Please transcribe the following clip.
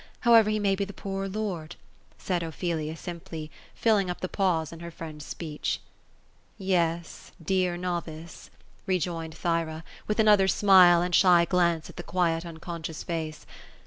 however he may be the poorer lord ;" said Ophelia, simply ; filling up the pause in her friend's speech. " Yes, dear novice ;" rejoined Thyra, with another smile and shy glance at the quiet unconscious face.